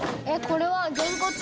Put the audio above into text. これは。